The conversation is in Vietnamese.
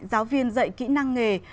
giáo viên dạy kỹ năng nghề